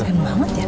pengen banget ya